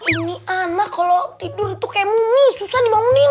ini anak kalau tidur tuh kayak mumi susah dibangunin